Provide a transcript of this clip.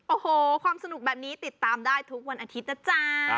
โอ้โหความสนุกแบบนี้ติดตามได้ทุกวันอาทิตย์นะจ๊ะ